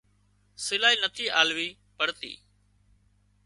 سلائي نٿي آلوي پڙتي